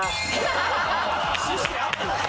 趣旨合ってます？